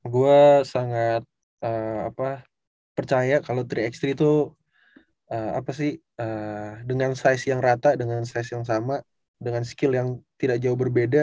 gue sangat percaya kalau tiga x tiga itu dengan size yang rata dengan size yang sama dengan skill yang tidak jauh berbeda